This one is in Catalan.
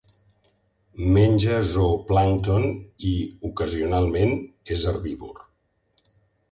Menja zooplàncton i, ocasionalment, és herbívor.